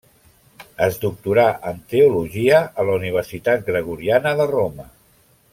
Es doctorà en teologia a la Universitat Gregoriana de Roma.